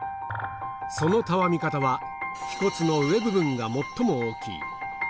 そのたわみ方は、腓骨の上部分が最も大きい。